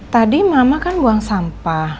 tadi mama kan buang sampah